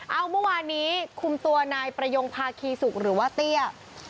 เอาเมื่อวานนี้คุมตัวนายประยงภาคีสุกหรือว่าเตี้ย